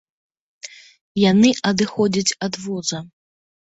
Яны адыходзяць ад воза.